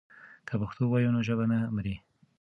که پښتو ووایو نو ژبه نه مري.